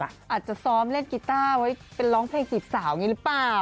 อาจจะซ้อมเล่นกีต้าไว้เป็นร้องเพลงจีบสาวอย่างนี้หรือเปล่า